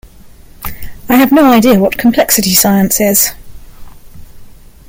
I have no idea what complexity science is.